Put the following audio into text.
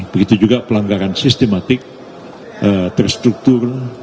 begitu juga pelanggaran sistematik terstruktur